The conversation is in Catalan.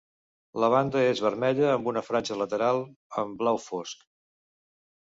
La banda és vermella amb una franja lateral en blau fosc.